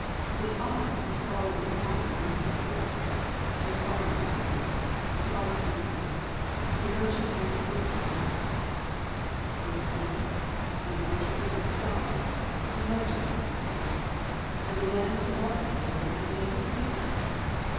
With us the scholar is honoured and put first, the farmer second, the artisan third, and the merchant and the soldier last. With them, these worshippers of the dollar, the merchant is put first, and the man to guard that dollar is made his equal!